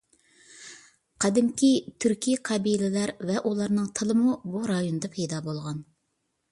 قەدىمكى تۈركىي قەبىلىلەر ۋە ئۇلارنىڭ تىلىمۇ بۇ رايوندا پەيدا بولغان.